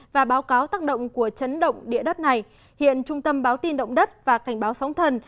và báo cáo tác động của chấn động địa đất này hiện trung tâm báo tin động đất và cảnh báo sóng thần